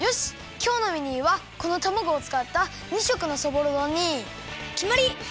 きょうのメニューはこのたまごをつかった２色のそぼろ丼にきまり！